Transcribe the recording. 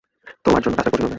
তোমার জন্য কাজটা কঠিন হবে।